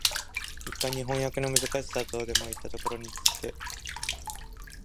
一般に飜訳のむずかしさとでもいったことについて、